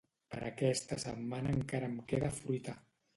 Per aquesta setmana encara em queda fruita